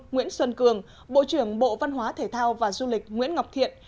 nguyễn xuân cường bộ trưởng bộ văn hóa thể thao và du lịch nguyễn ngọc thiện